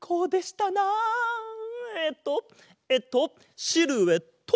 えっとえっとシルエット！